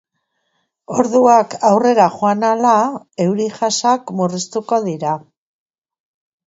Orduak aurrera joan ahala, euri-jasak murriztuko dira.